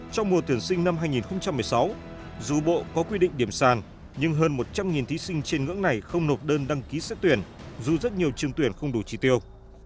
trong mùa tuyển sinh năm hai nghìn một mươi sáu dù bộ có quy định điểm sàn nhưng hơn một trăm linh thí sinh trên ngưỡng này không nộp đơn đăng ký xét tuyển dù rất nhiều trường tuyển không đủ trì tiêu